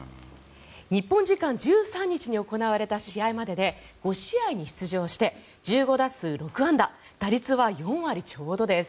日本時間１３日に行われた試合までで５試合に出場して１５打数６安打打率は４割ちょうどです。